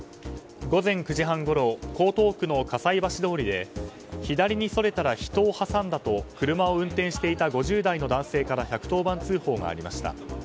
午前９時半ごろ江東区の葛西橋通りで左にそれたら人を挟んだと車を運転していた５０代の男性から１１０番通報がありました。